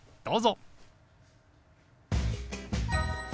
どうぞ。